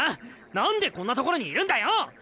何でこんな所にいるんだよ！